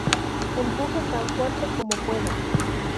Empuje tan fuerte como pueda.